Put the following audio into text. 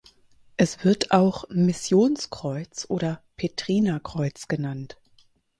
Es wird auch "Missionskreuz" oder "Petrinerkreuz" genannt.